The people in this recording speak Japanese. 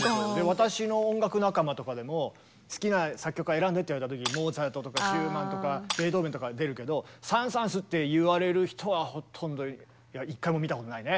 私の音楽仲間とかでも好きな作曲家選んでっていわれた時にモーツァルトとかシューマンとかベートーベンとかは出るけどサン・サーンスっていわれる人はほとんどいや一回も見たことないね。